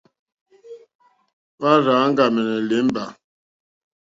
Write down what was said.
Hwá rzà áŋɡàmɛ̀nɛ̀ lěmbà.